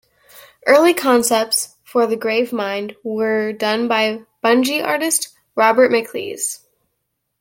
Early Concepts for the Gravemind were done by Bungie artist Robert McLees.